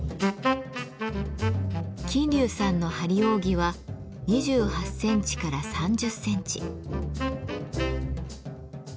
琴柳さんの張り扇は２８センチから３０センチ。